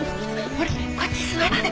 ほらこっち座って。